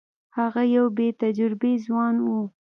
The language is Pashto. هغه یو بې تجربې ځوان وو.